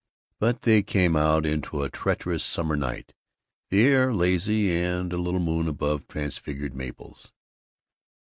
But they came out into a treacherous summer night, the air lazy and a little moon above transfigured maples.